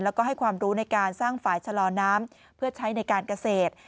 แล้วก็ให้ความรู้ในการสร้างฝ่ายชะลอน้ำเพื่อใช้ในการเกษตร